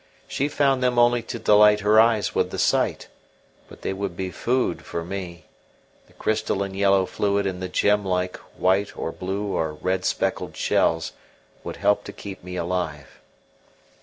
She found them only to delight her eyes with the sight; but they would be food for me; the crystal and yellow fluid in the gem like, white or blue or red speckled shells would help to keep me alive.